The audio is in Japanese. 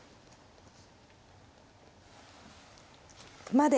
まで。